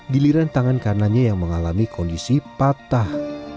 giliran tangan kanannya yang mengalami kondisi patah